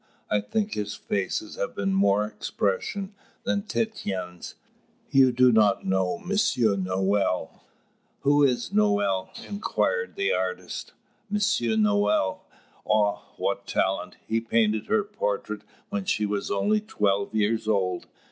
I think his faces have been more expression than Titian's. You do not know Monsieur Nohl?" "Who is Nohl?" inquired the artist. "Monsieur Nohl. Ah, what talent! He painted her portrait when she was only twelve years old.